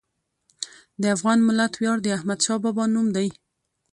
د افغان ملت ویاړ د احمدشاه بابا نوم دی.